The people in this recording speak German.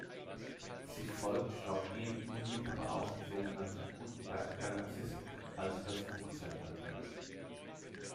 Sie folgt laut ihm unmittelbar auf die sogenannte „Gutenberg-Galaxis“, also das Buch-Zeitalter.